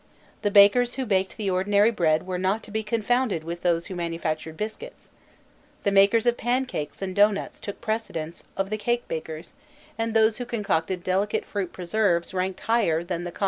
The bakers who baked the ordinary bread were not to be confounded with those who manufactured biscuits. The makers of pancakes and dough nuts took precedence of the cake bakers, and those who concocted delicate fruit preserves ranked higher than the common dryer of dates.